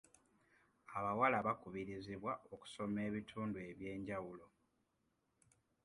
Abawala bakubirizibwa okusoma ebintu eby'enjawulo.